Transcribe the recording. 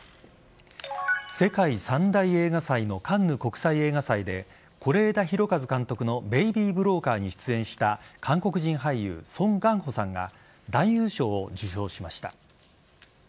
世界三大映画祭のカンヌ国際映画祭で是枝裕和監督の「ベイビー・ブローカー」に出演した韓国人俳優ソン・ガンホさんが男優賞を受賞しました。